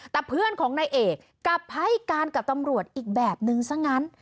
แต่เพื่อนของนายเอกกลับให้การกับตำรวจอีกแบบนึงซะงั้น